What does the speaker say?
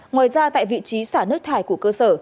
ngoài ra tại vị trí xả nước thải của cơ sở